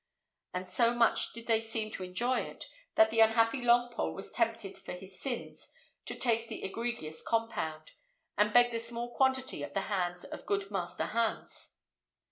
And so much did they seem to enjoy it, that the unhappy Longpole was tempted for his sins to taste the egregious compound, and begged a small quantity at the hands of good Master Hans.